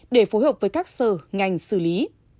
để phối hợp với các sở ngành xử lý